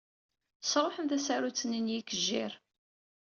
Sṛuḥen tasarut-nni n yikejjir.